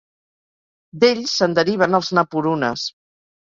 D'ells se'n deriven els napurunes.